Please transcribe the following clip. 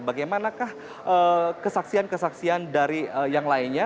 bagaimanakah kesaksian kesaksian dari yang lainnya